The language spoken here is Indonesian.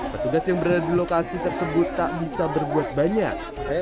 petugas yang berada di lokasi tersebut tak bisa berbuat banyak